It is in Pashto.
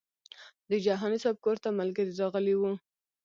د جهاني صاحب کور ته ملګري راغلي وو.